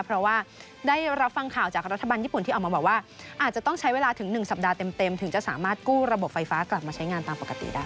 เพราะว่าได้รับฟังข่าวจากรัฐบาลญี่ปุ่นที่ออกมาบอกว่าอาจจะต้องใช้เวลาถึง๑สัปดาห์เต็มถึงจะสามารถกู้ระบบไฟฟ้ากลับมาใช้งานตามปกติได้